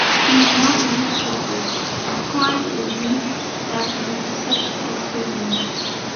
He is now a leader of the Cryogenic Dark Matter Search experiment.